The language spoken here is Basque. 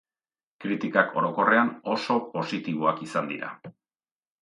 Kritikak orokorrean oso positiboak izan dira.